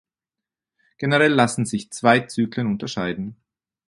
Generell lassen sich zwei Zyklen unterscheiden.